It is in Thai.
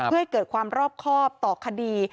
เพื่อให้เกิดความรอบครอบต่อคดี